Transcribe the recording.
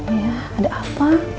iya ada apa